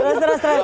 terus terus terus